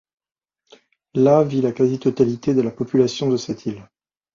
Là vit la quasi totalité de la population de cette île.